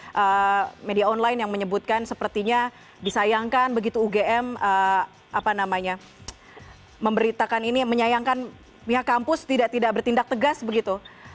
ada media online yang menyebutkan sepertinya disayangkan begitu ugm memberitakan ini menyayangkan pihak kampus tidak bertindak tegas begitu